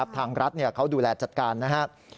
ทางรัฐเขาดูแลจัดการนะครับ